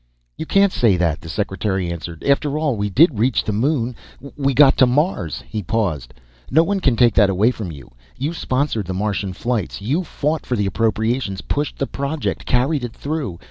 "You can't say that," the Secretary answered. "After all, we did reach the moon. We got to Mars." He paused. "No one can take that away from you. You sponsored the Martian flights. You fought for the appropriations, pushed the project, carried it through.